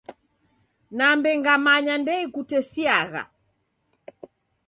Nambe ngamanya ndeikutesiagha.